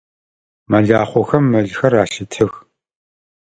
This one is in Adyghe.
Мэлахъохэм мэлхэр алъытэх.